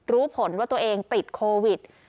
รู้ผลว่าตัวเองติดโควิด